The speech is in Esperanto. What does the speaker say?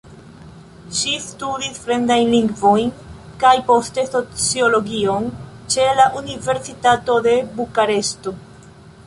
Ŝi studis fremdajn lingvojn kaj poste sociologion ĉe la Universitato de Bukareŝto.